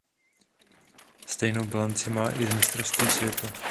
Stejnou bilanci má i z mistrovství světa.